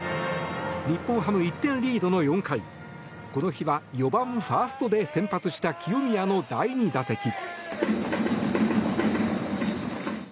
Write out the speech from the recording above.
日本ハム１点リードの４回この日は４番ファーストで先発した清宮の第２打席。